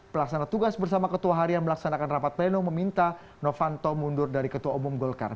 pelaksana tugas bersama ketua harian melaksanakan rapat pleno meminta novanto mundur dari ketua umum golkar